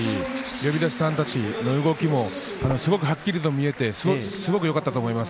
呼出さんたちの動きもすごくはっきりと見えてすごくよかったと思います。